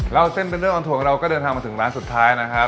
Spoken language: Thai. เล่าเส้นเป็นเรื่องออนทัวของเราก็เดินทางมาถึงร้านสุดท้ายนะครับ